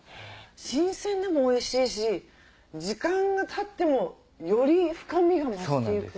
新鮮でもおいしいし時間がたってもより深みが増していく。